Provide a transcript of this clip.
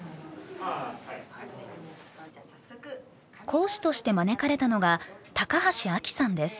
講師として招かれたのが高橋愛紀さんです。